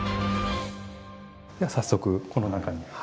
では早速この中に。